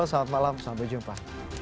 selamat malam sampai jumpa